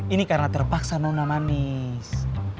ini karena terpaksa nona manis